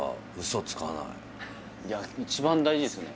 やっぱ一番大事ですよね